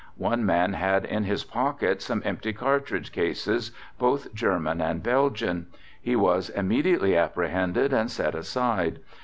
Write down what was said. One man had in his pocket some empty cartridge cases both German and Belgian. He was immediately apprehended and set aside.